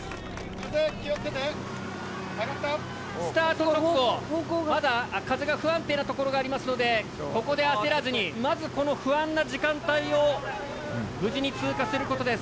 スタート直後まだ風が不安定なところがありますのでここで焦らずにまずこの不安な時間帯を無事に通過することです。